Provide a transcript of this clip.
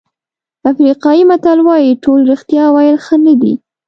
افریقایي متل وایي ټول رښتیا ویل ښه نه دي.